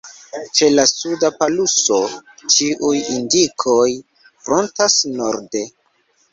Ĉe la suda poluso ĉiuj indikoj frontas norde.